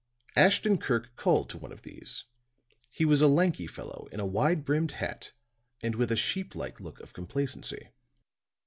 Ashton Kirk called to one of these. He was a lanky fellow in a wide brimmed hat and with a sheep like look of complacency.